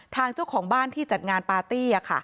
เจ้าของบ้านที่จัดงานปาร์ตี้